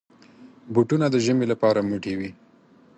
بوټونه د ژمي لپاره موټي وي.